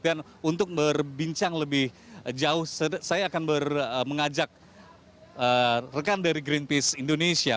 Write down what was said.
dan untuk berbincang lebih jauh saya akan mengajak rekan dari greenpeace indonesia